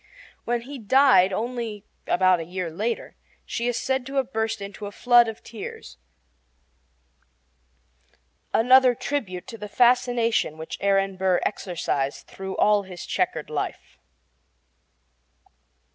When he died, only about a year later, she is said to have burst into a flood of tears another tribute to the fascination which Aaron Burr exercised through all his checkered life.